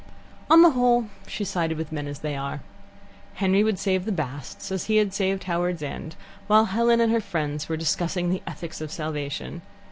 On the whole she sided with men as they are. Henry would save the Basts as he had saved Howards End, while Helen and her friends were discussing the ethics of salvation.